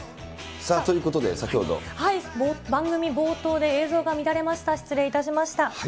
ということで先ほど、番組冒頭で映像が乱れました、失礼いたしました。